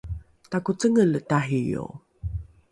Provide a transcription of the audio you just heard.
takocengele tario